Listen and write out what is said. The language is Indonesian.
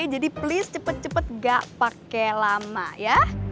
jadi please cepet cepet gak pakai lama ya